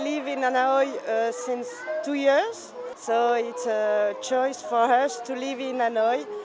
vì vậy chúng tôi có lựa chọn để sống ở hà nội